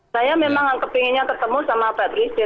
saya memang inginnya ketemu sama pak rizie